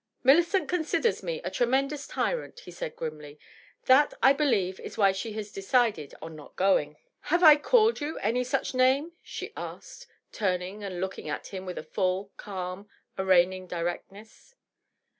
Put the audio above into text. "Millicent considers me a tremendous tyrant," he said grimly. " That, I believe, is why she has decided on not going." 692 DOUGLAS DUANE, "Have I called you any such name?" she asked, turnuig and look ing at him with a full, calm, arraigning directness.